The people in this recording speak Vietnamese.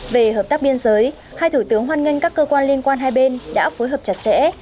về hợp tác biên giới hai thủ tướng hoan nghênh các cơ quan liên quan hai bên đã phối hợp chặt chẽ